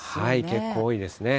結構多いですね。